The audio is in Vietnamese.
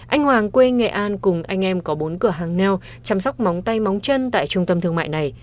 anh hoàng quê nghệ an cùng anh em có bốn cửa hàng neo chăm sóc móng tay móng chân tại trung tâm thương mại này